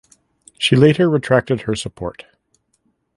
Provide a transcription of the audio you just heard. She later retracted her support.